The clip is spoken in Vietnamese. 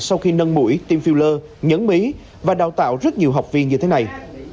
sau khi nâng mũi tiêm filler nhấn bí và đào tạo rất nhiều học viên như thế này